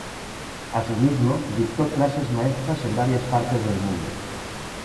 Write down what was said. Asimismo, dictó clases maestras en varias partes del mundo.